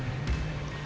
raya telpon lu